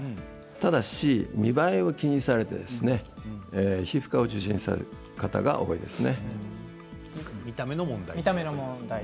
ただし見栄えを気にされて、皮膚科を受診される方が多いですね。